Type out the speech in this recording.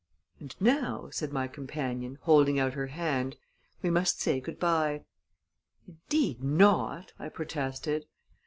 "And now," said my companion, holding out her hand, "we must say good by." "Indeed, not!" I protested.